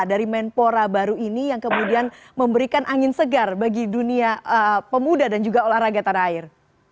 dari menpora baru ini yang kemudian memberikan angin segar bagi dunia pemuda dan juga olahraga tanah air